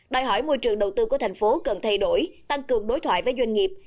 đòi hỏi môi trường đầu tư của thành phố cần thay đổi tăng cường đối thoại với doanh nghiệp